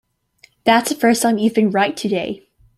That's the first time you've been right today.